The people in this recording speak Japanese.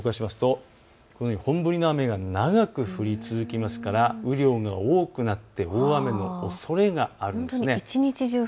本降りの雨が長く降り続きますから雨量が多くなって大雨のおそれがあるんです。